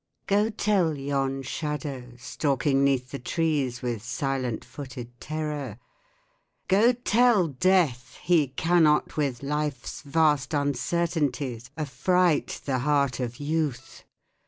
Go tell yon shadow stalking 'neath the trees With silent footed terror, go tell Death He cannot with Life's vast uncertainties Affright the heart of Youth